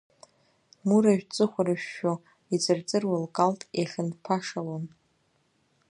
Муражә ҵыхәарышәшәо, иҵырҵыруа, лкалҭ иахьынԥашалон.